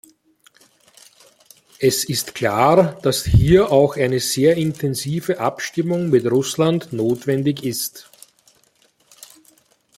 Es ist klar, dass hier auch eine sehr intensive Abstimmung mit Russland notwendig ist.